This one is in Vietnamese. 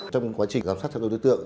trong quá trình giám sát các đối tượng